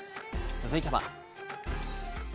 続いては。